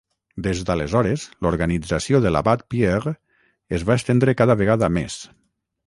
Des d'aleshores, l'organització de l'Abat Pierre es va estendre cada vegada més.